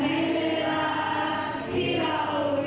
ที่รักที่ต้องใจกลับไป